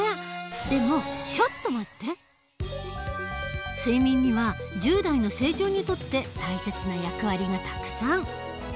でも睡眠には１０代の成長にとって大切な役割がたくさん。